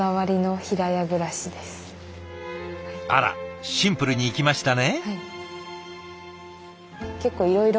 あらシンプルにいきましたね。